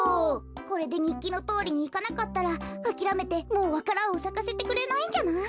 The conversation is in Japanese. これでにっきのとおりにいかなかったらあきらめてもうわか蘭をさかせてくれないんじゃない？